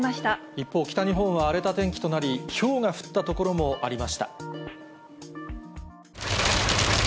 一方、北日本は荒れた天気となり、ひょうが降った所もありました。